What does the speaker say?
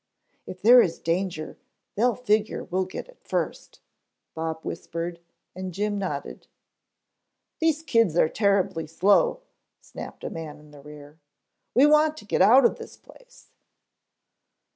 "If there is danger they figure we'll get it first," Bob whispered, and Jim nodded. "These kids are terribly slow," snapped a man in the rear. "We want to get out of this place."